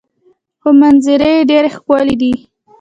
خو منظرې یې ډیرې ښکلې دي.